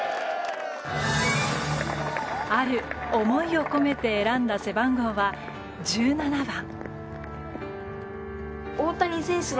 ある思いを込めて選んだ背番号は１７番。